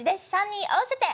３人合わせて。